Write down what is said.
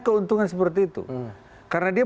keuntungan seperti itu karena dia